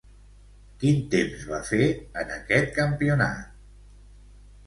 Quin temps va fer en aquest campionat?